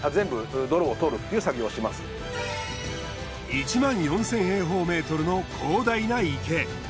１万４，０００平方メートルの広大な池。